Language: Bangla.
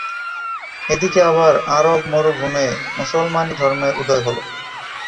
এদিকে আবার আরব মরুভূমে মুসলমানী ধর্মের উদয় হল।